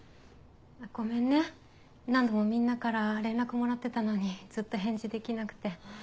ごめんね何度もみんなから連絡もらってたのにずっと返事できなくて。